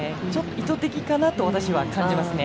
意図的かなと私は感じますね。